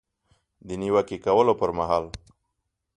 د نیوکې کولو پر مهال